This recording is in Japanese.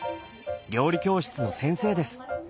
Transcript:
料理教室の先生です。